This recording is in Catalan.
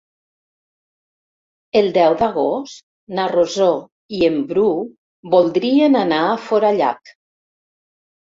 El deu d'agost na Rosó i en Bru voldrien anar a Forallac.